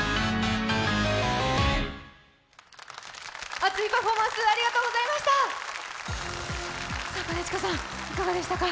熱いパフォーマンス、ありがとうございました。